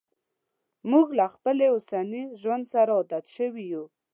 موږ له خپل اوسني ژوند سره عادت شوي یو.